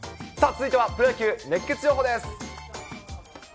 ではプロ野球熱ケツ情報です。